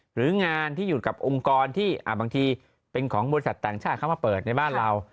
หรืองานที่อยู่กับองค์กรที่บางทีเป็นของบริษัทต่างชาติเข้ามาเปิดในบ้านเรา